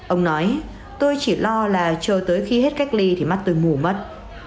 ông nói tôi chỉ lo là chờ tới khi hết cách ly thì mắt tôi mù mất